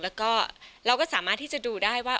แล้วก็เราก็สามารถที่จะดูได้ว่า